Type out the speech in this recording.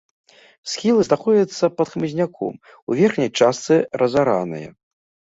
Схілы знаходзяцца пад хмызняком, у верхняй частцы разараныя.